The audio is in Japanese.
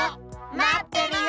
まってるよ！